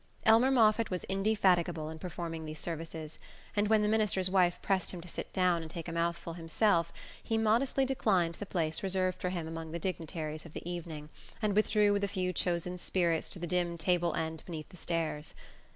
Elmer Moffatt was indefatigable in performing these services, and when the minister's wife pressed him to sit down and take a mouthful himself he modestly declined the place reserved for him among the dignitaries of the evening, and withdrew with a few chosen spirits to the dim table end beneath the stairs.